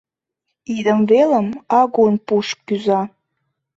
Идым велым агун пуш кӱза.